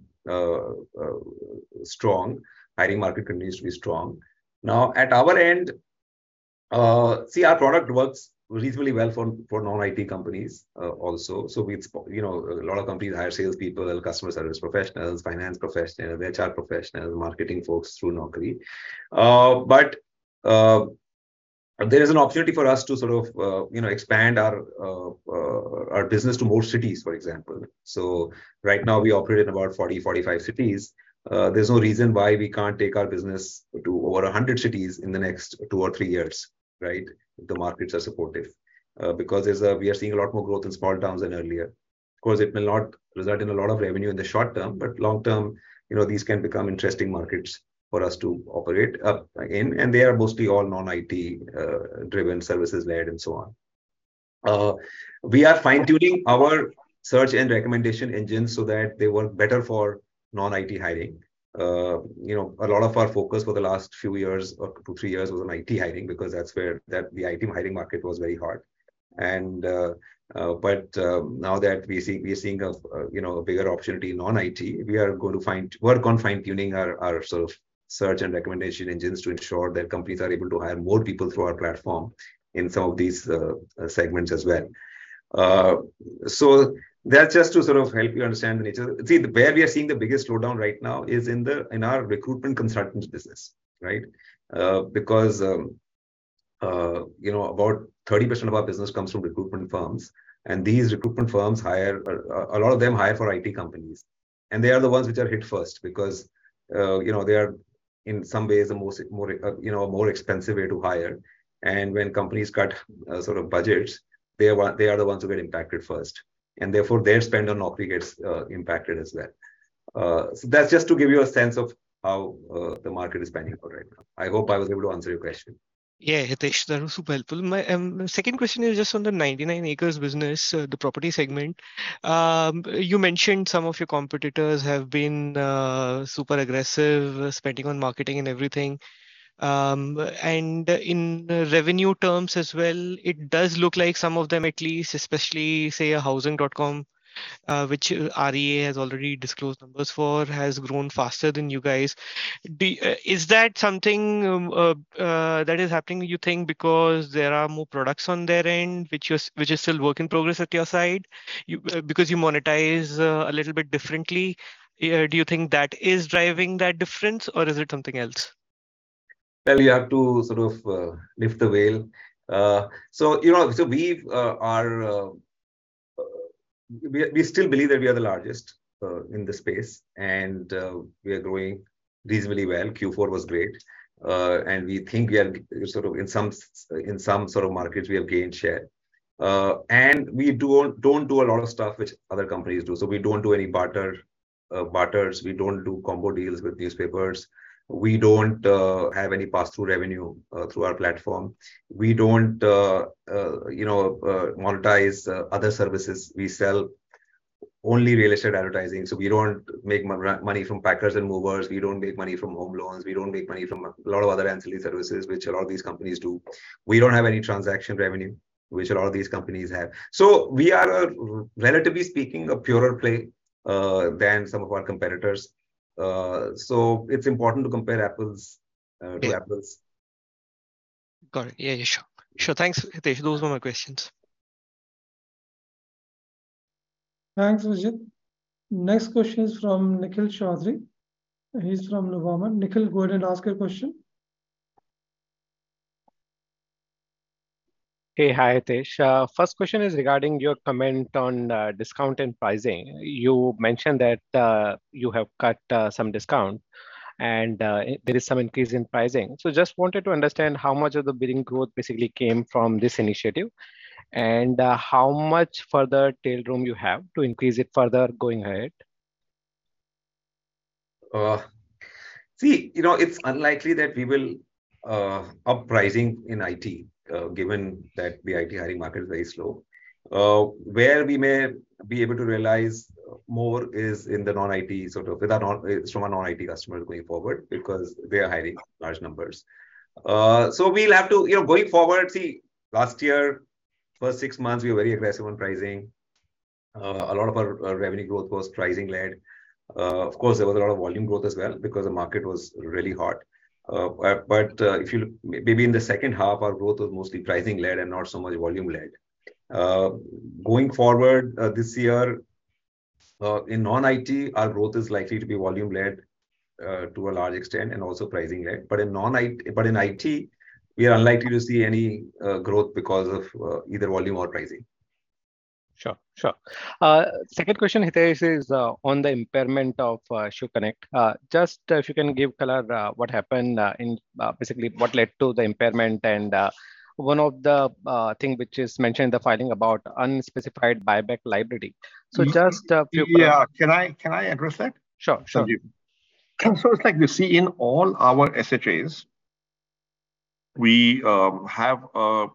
strong. Hiring market continues to be strong. At our end, see, our product works reasonably well for non-IT companies also. You know, a lot of companies hire sales people, customer service professionals, finance professionals, HR professionals, marketing folks through Naukri. But there is an opportunity for us to sort of, you know, expand our business to more cities, for example. Right now, we operate in about 40 to 45 cities. There's no reason why we can't take our business to over 100 cities in the next two or three years, right? If the markets are supportive. Because we are seeing a lot more growth in small towns than earlier. Of course, it may not result in a lot of revenue in the short term, but long term, you know, these can become interesting markets for us to operate in. They are mostly all non-IT driven, services-led, and so on. We are fine-tuning our search and recommendation engines so that they work better for non-IT hiring. You know, a lot of our focus for the last few years or two, three years was on IT hiring, because the IT hiring market was very hard. Now that we're seeing, we are seeing a, you know, a bigger opportunity in non-IT, we are going to work on fine-tuning our sort of search and recommendation engines to ensure that companies are able to hire more people through our platform in some of these segments as well. That's just to sort of help you understand the nature. See, where we are seeing the biggest slowdown right now is in our recruitment consultants business, right? Because, you know, about 30% of our business comes from recruitment firms, and these recruitment firms hire a lot of them hire for IT companies. They are the ones which are hit first, because, you know, they are, in some ways, a more expensive way to hire. When companies cut, sort of budgets, they are the ones who get impacted first, and therefore, their spend on Naukri gets impacted as well. That's just to give you a sense of how the market is panning out right now. I hope I was able to answer your question. Yeah, Hitesh, that was super helpful. My second question is just on the 99acres business, the property segment. You mentioned some of your competitors have been super aggressive spending on marketing and everything. In revenue terms as well, it does look like some of them, at least, especially, say, a Housing.com, which REA has already disclosed numbers for, has grown faster than you guys. Is that something that is happening, you think, because there are more products on their end, which is still work in progress at your side? Because you monetize a little bit differently, do you think that is driving that difference, or is it something else? Well, we have to sort of lift the veil. You know, we still believe that we are the largest in the space, we are growing reasonably well. Q4 was great. We think we are sort of in some sort of markets, we have gained share. We don't do a lot of stuff which other companies do. We don't do any barter barters. We don't do combo deals with newspapers. We don't have any pass-through revenue through our platform. We don't, you know, monetize other services. We sell only real estate advertising, we don't make money from packers and movers. We don't make money from home loans. We don't make money from a lot of other ancillary services, which a lot of these companies do. We don't have any transaction revenue, which a lot of these companies have. We are, relatively speaking, a purer play, than some of our competitors. It's important to compare apples, to apples. Yeah. Got it. Yeah, yeah, sure. Sure. Thanks, Hitesh. Those were my questions. Thanks, Vijit. Next question is from Nikhil Chaudhary. He's from Nomura. Nikhil, go ahead and ask your question. Hey, hi, Hitesh. First question is regarding your comment on discount and pricing. You mentioned that you have cut some discount, and there is some increase in pricing. Just wanted to understand how much of the billing growth basically came from this initiative, and how much further tailroom you have to increase it further going ahead? See, you know, it's unlikely that we will up pricing in IT, given that the IT hiring market is very slow. Where we may be able to realize more is in the non-IT, sort of from our non-IT customers going forward, because they are hiring large numbers. You know, going forward, see, last year, first six months, we were very aggressive on pricing. A lot of our revenue growth was pricing-led. Of course, there was a lot of volume growth as well, because the market was really hot. If you look, maybe in the second half, our growth was mostly pricing-led and not so much volume-led. Going forward, this year, in non-IT, our growth is likely to be volume-led, to a large extent, and also pricing-led. In IT, we are unlikely to see any growth because of either volume or pricing. Sure, sure. Second question, Hitesh, is on the impairment of ShopConnect. Just if you can give color, what happened, and basically what led to the impairment, and one of the thing which is mentioned in the filing about unspecified buyback liability. just a few Yeah. Can I address that? Sure. Sure. Thank you. It's like you see in all our SHAs, we have a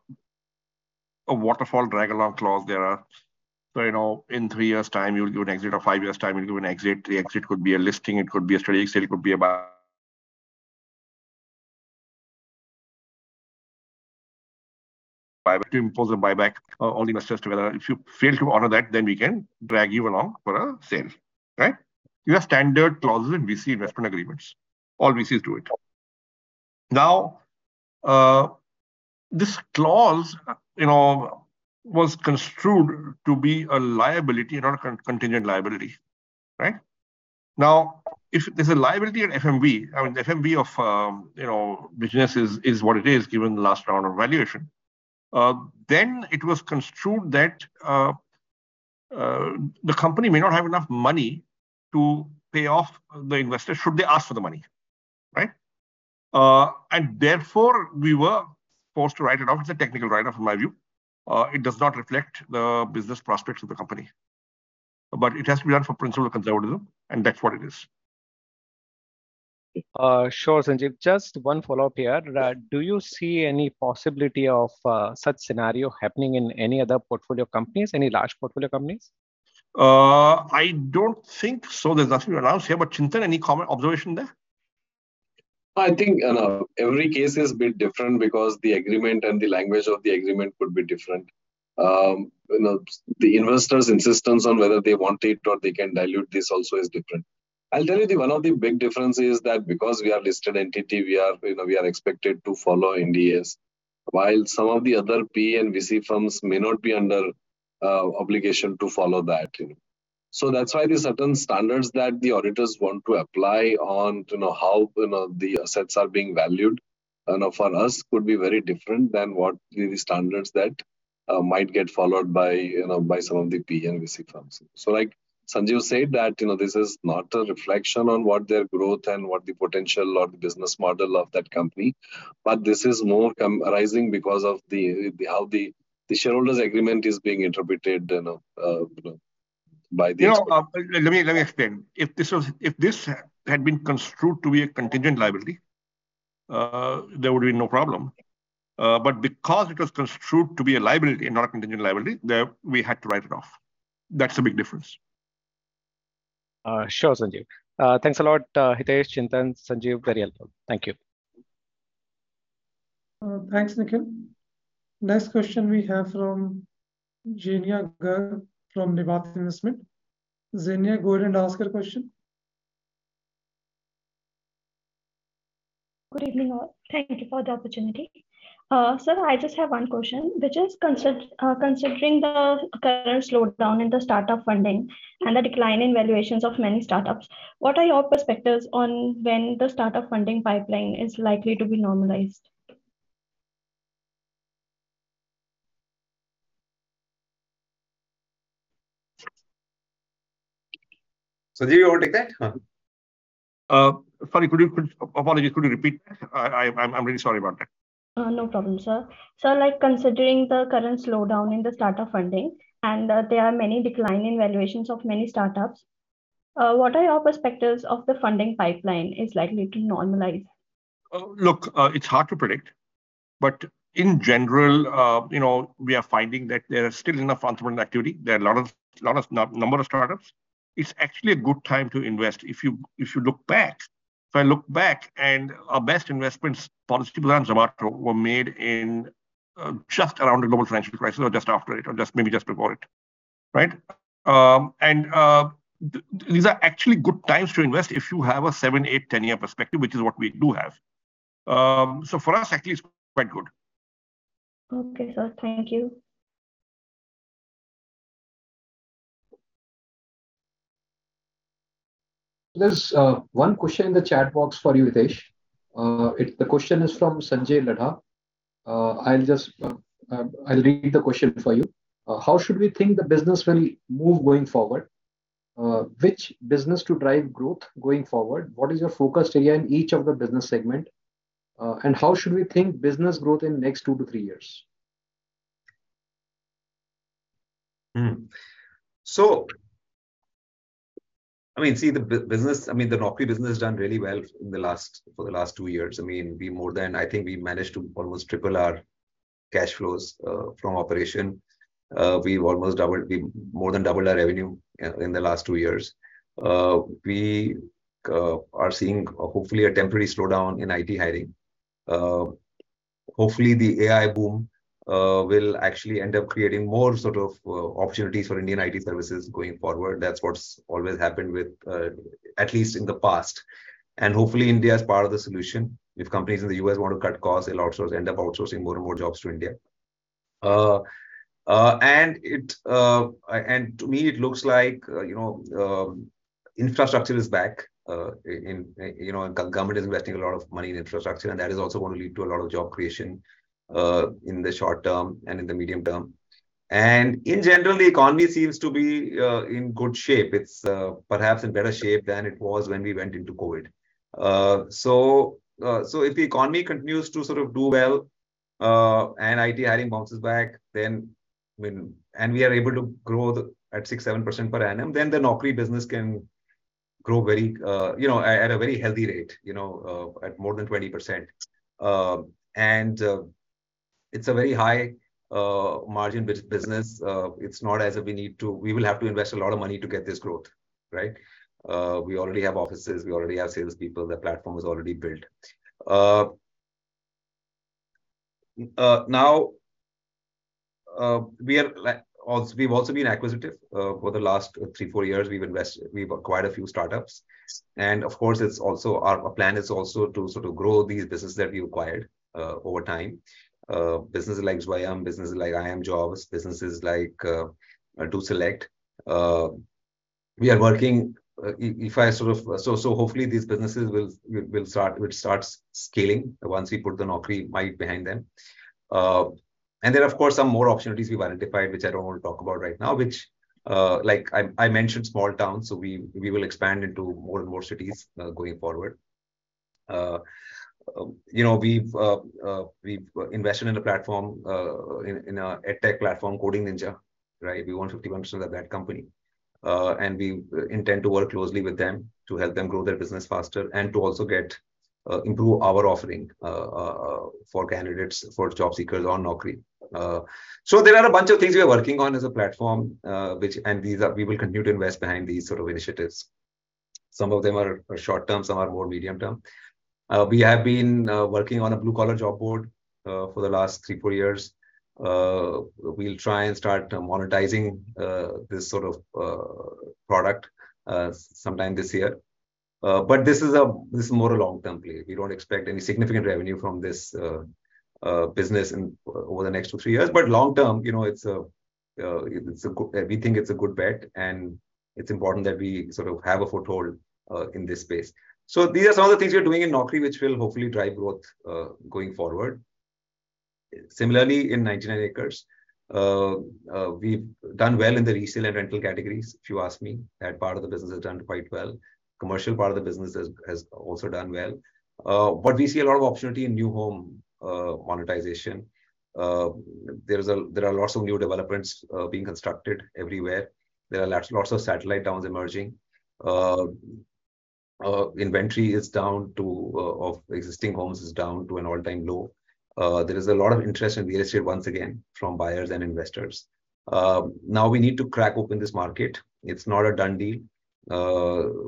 waterfall drag along clause. You know, in three years' time, you'll give an exit or five years' time, you'll give an exit. The exit could be a listing, it could be a strategic sale, it could be a buyback, all investors together. If you fail to honor that, we can drag you along for a sale, right? These are standard clauses in VC investment agreements. All VCs do it. This clause, you know, was construed to be a liability, not a contingent liability, right? Now, if there's a liability on FMV, I mean, FMV of, you know, business is what it is, given the last round of valuation, then it was construed that the company may not have enough money to pay off the investor should they ask for the money, right? Therefore, we were forced to write it off. It's a technical write-off, in my view. It does not reflect the business prospects of the company, but it has to be done for principle of conservatism, that's what it is. Sure, Sanjeev. Just one follow-up here. Do you see any possibility of such scenario happening in any other portfolio companies, any large portfolio companies? I don't think so. There's nothing to announce here. Chintan, any comment, observation there? I think, you know, every case is a bit different because the agreement and the language of the agreement could be different. You know, the investors' insistence on whether they want it or they can dilute this also is different. I'll tell you, one of the big differences is that because we are a listed entity, we are, you know, we are expected to follow LODR, while some of the other PE and VC firms may not be under obligation to follow that, you know. That's why the certain standards that the auditors want to apply on to know how, you know, the assets are being valued, you know, for us, could be very different than what the standards that might get followed by, you know, by some of the PE and VC firms. Like Sanjeev said, that, you know, this is not a reflection on what their growth and what the potential or the business model of that company, but this is more arising because of the how the shareholders' agreement is being interpreted, you know, you know. You know, let me explain. If this had been construed to be a contingent liability, there would be no problem. Because it was construed to be a liability, and not a contingent liability, we had to write it off. That's a big difference. Sure, Sanjeev. Thanks a lot, Hitesh, Chintan, Sanjeev, very helpful. Thank you. Thanks, Nikhil. Next question we have from Zennia Gar from Nivah Investmart. Zennia, go ahead and ask your question. Good evening, all. Thank you for the opportunity. Sir, I just have one question, which is considering the current slowdown in the start-up funding and the decline in valuations of many start-ups, what are your perspectives on when the start-up funding pipeline is likely to be normalized? Sanjeev, you want to take that? Sorry, apologies, could you repeat? I'm really sorry about that. No problem, sir. Sir, like, considering the current slowdown in the start-up funding, and there are many decline in valuations of many start-ups, what are your perspectives of the funding pipeline is likely to normalize? Look, it's hard to predict, in general, you know, we are finding that there is still enough entrepreneurial activity. There are a lot of number of start-ups. It's actually a good time to invest. If you look back, if I look back, our best investments for Zomato were made in just around the global financial crisis or just after it, or just maybe just before it, right? These are actually good times to invest if you have a 7, 8, 10-year perspective, which is what we do have. For us, actually, it's quite good. Okay, sir. Thank you. There's one question in the chat box for you, Hitesh. The question is from Sanjay Ladha. I'll just, I'll read the question for you. "How should we think the business will move going forward? Which business to drive growth going forward? What is your focus area in each of the business segment, and how should we think business growth in next two to three years? I mean, see, the Naukri business has done really well in the last, for the last two years. I mean, I think we managed to almost triple our cash flows from operation. we more than doubled our revenue in the last two years. we are seeing, hopefully, a temporary slowdown in IT hiring. hopefully, the AI boom will actually end up creating more sort of opportunities for Indian IT services going forward. That's what's always happened with at least in the past, and hopefully India is part of the solution. If companies in the U.S. want to cut costs, they'll end up outsourcing more and more jobs to India. To me, it looks like, you know, infrastructure is back. In, you know, government is investing a lot of money in infrastructure, and that is also going to lead to a lot of job creation in the short term and in the medium term. In general, the economy seems to be in good shape. It's perhaps in better shape than it was when we went into COVID. So if the economy continues to sort of do well and IT hiring bounces back, then we are able to grow the, at 6%, 7% per annum, then the Naukri business can grow very, you know, at a very healthy rate, you know, at more than 20%. It's a very high margin business. It's not as if we will have to invest a lot of money to get this growth, right? We already have offices, we already have salespeople, the platform is already built. We've also been acquisitive. Over the last three, four years, we've invested, we've acquired a few start-ups. Our plan is also to sort of grow these businesses that we acquired over time. Businesses like Zwayam, businesses like IIMjobs, businesses like DoSelect. We are working, hopefully these businesses will start scaling once we put the Naukri might behind them. And then, of course, some more opportunities we've identified, which I don't want to talk about right now, which, like I mentioned small towns, so we will expand into more and more cities going forward. You know, we've invested in a platform, in an edtech platform, Coding Ninjas, right? We own 51% of that company, and we intend to work closely with them to help them grow their business faster and to also improve our offering for candidates, for job seekers on Naukri. So there are a bunch of things we are working on as a platform, which and these are we will continue to invest behind these sort of initiatives. Some of them are short term, some are more medium term. We have been working on a blue-collar job board for the last three, four years. We'll try and start monetizing this sort of product sometime this year. This is more a long-term play. We don't expect any significant revenue from this business in over the next two, three years. Long term, you know, we think it's a good bet, and it's important that we sort of have a foothold in this space. These are some of the things we're doing in Naukri, which will hopefully drive growth going forward. Similarly, in 99acres, we've done well in the resale and rental categories. If you ask me, that part of the business has done quite well. Commercial part of the business has also done well. We see a lot of opportunity in new home monetization. There are lots of new developments being constructed everywhere. There are lots of satellite towns emerging. Inventory is down to an all-time low. There is a lot of interest in real estate once again from buyers and investors. Now we need to crack open this market. It's not a done deal.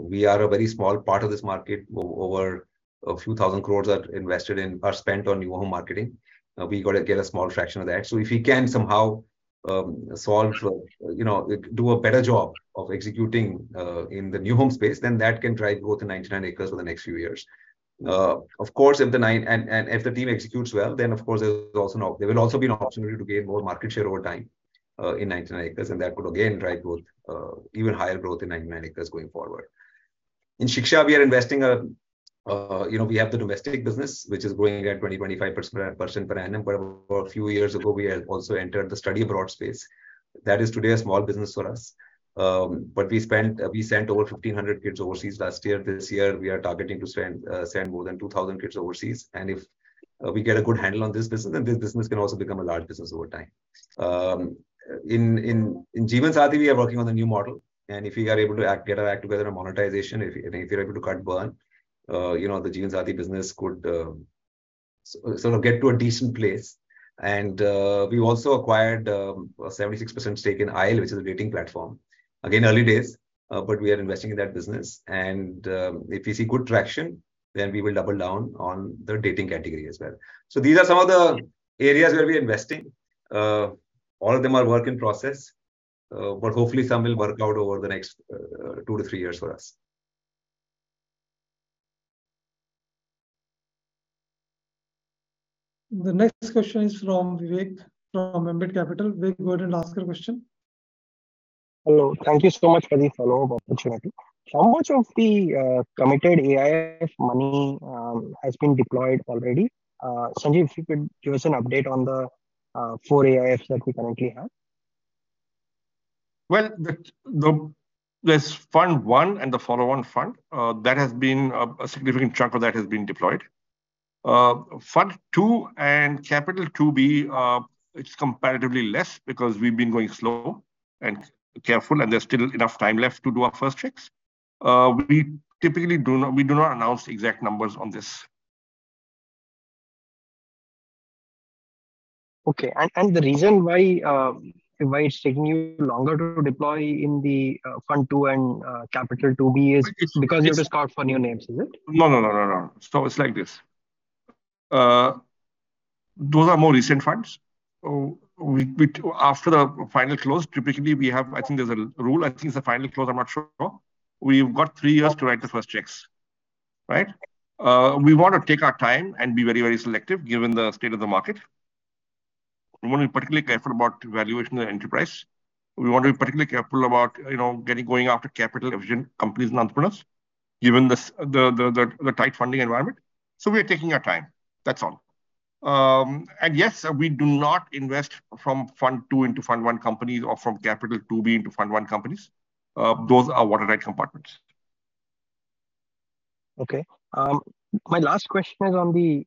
We are a very small part of this market. Over a few thousand crores are spent on new home marketing. We gotta get a small fraction of that. If we can somehow, solve for, you know, do a better job of executing in the new home space, then that can drive growth in 99acres for the next few years. Of course, if the team executes well, of course, there will also be an opportunity to gain more market share over time in 99acres, and that could again drive growth, even higher growth in 99acres going forward. In Shiksha, we are investing, you know, we have the domestic business, which is growing at 20% to 25% per annum. A few years ago, we have also entered the study abroad space. That is today a small business for us. We sent over 1,500 kids overseas last year. This year, we are targeting to send more than 2,000 kids overseas. If we get a good handle on this business, this business can also become a large business over time. In Jeevansathi, we are working on a new model, and if we are able to get our act together on monetization, if, and if we're able to cut burn, you know, the Jeevansathi business could sort of get to a decent place. We also acquired a 76% stake in Aisle, which is a dating platform. Again, early days, but we are investing in that business, and if we see good traction, then we will double down on the dating category as well. These are some of the areas where we're investing. All of them are work in process, but hopefully some will work out over the next two to three years for us. The next question is from Vivek from Ambit Capital. Vivek, go ahead and ask your question. Hello. Thank you so much for the follow-up opportunity. How much of the committed AIF money has been deployed already? Sanjeev, if you could give us an update on the four AIFs that we currently have. Well, there's Fund 1 and the follow-on fund. That has been a significant chunk of that has been deployed. Fund 2 and Capital 2B, it's comparatively less because we've been going slow and careful, and there's still enough time left to do our first checks. We typically do not announce the exact numbers on this. Okay. The reason why it's taking you longer to deploy in the Fund 2 and Capital 2B is? It's, it's- You've just called for new names, is it? No, no, no. It's like this, those are more recent funds. After the final close, typically, we have, I think there's a rule. I think it's the final close, I'm not sure. We've got three years to write the first checks, right? We want to take our time and be very, very selective, given the state of the market. We want to be particularly careful about the valuation of the enterprise. We want to be particularly careful about, you know, going after capital-efficient companies and entrepreneurs, given this tight funding environment. We're taking our time. That's all. Yes, we do not invest from Fund 2 into Fund 1 companies or from Capital 2B into Fund 1 companies. Those are watertight compartments. Okay. My last question is on the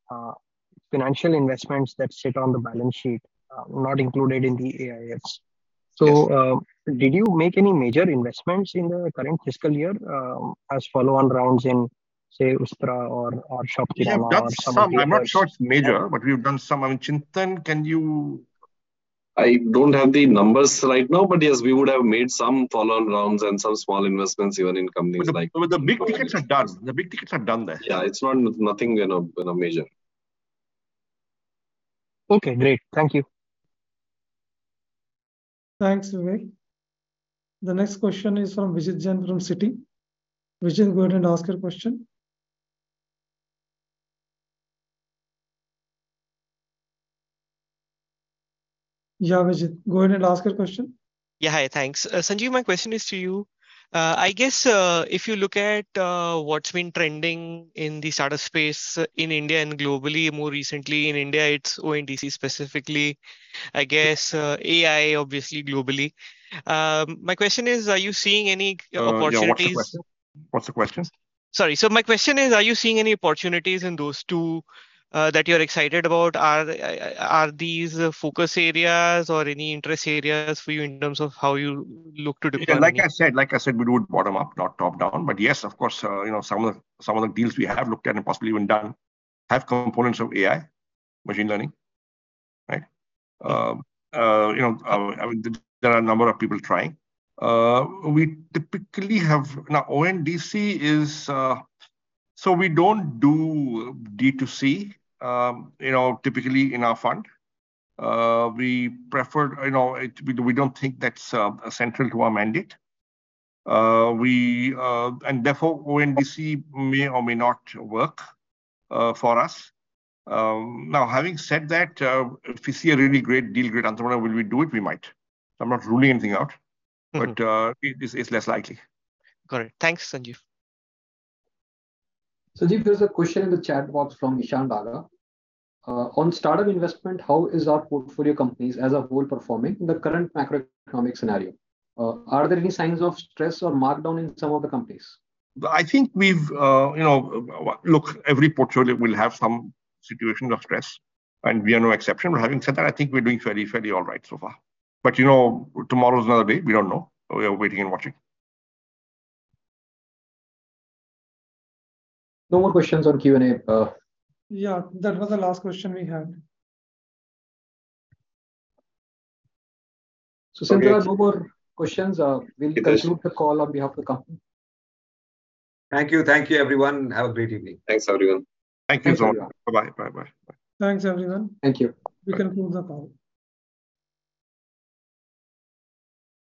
financial investments that sit on the balance sheet, not included in the AIFs. Yes. Did you make any major investments in the current fiscal year, as follow-on rounds in, say, Ustraa or ShopClues or some other. We have done some. I'm not sure it's major, but we've done some. I mean, Chintan, can you? I don't have the numbers right now, but yes, we would have made some follow-on rounds and some small investments even in companies like- The big tickets are done. The big tickets are done there. Yeah, nothing, you know, major. Okay, great. Thank you. Thanks, Vivek. The next question is from Vijit Jain from Citi. Vijit, go ahead and ask your question. Yeah, Vijit, go ahead and ask your question. Yeah. Hi, thanks. Sanjeev, my question is to you. I guess, if you look at, what's been trending in the startup space in India and globally, more recently in India, it's ONDC, specifically, I guess, AI, obviously globally. My question is, are you seeing any opportunities? Yeah, what's the question? Sorry. My question is, are you seeing any opportunities in those two, that you're excited about? Are, are these focus areas or any interest areas for you in terms of how you look to deploy? Like I said, we do it bottom up, not top down. Yes, of course, you know, some of the, some of the deals we have looked at and possibly even done have components of AI, machine learning, right? You know, there are a number of people trying. We typically have. Now, ONDC is. We don't do D2C, you know, typically in our fund. We prefer, you know, We don't think that's central to our mandate. We... Therefore, ONDC may or may not work for us. Now, having said that, if we see a really great deal, great entrepreneur, will we do it? We might. I'm not ruling anything out. Mm-hmm. it's less likely. Got it. Thanks, Sanjeev. Sanjeev, there's a question in the chat box from Ishan Bagga. "On startup investment, how is our portfolio companies as a whole performing in the current macroeconomic scenario? Are there any signs of stress or markdown in some of the companies? I think we've, you know, look, every portfolio will have some situation of stress, and we are no exception. Having said that, I think we're doing fairly all right so far. You know, tomorrow is another day. We don't know. We are waiting and watching. No more questions on Q&A. Yeah, that was the last question we had. Sanjeev, there are no more questions. Yes. We'll conclude the call on behalf of the company. Thank you. Thank you, everyone. Have a great evening. Thanks, everyone. Thank you, all. Thanks. Bye-bye. Bye-bye. Bye. Thanks, everyone. Thank you. We conclude the call.